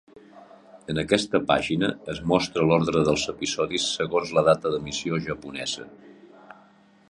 En aquesta pàgina es mostra l'ordre dels episodis segons la data d'emissió japonesa.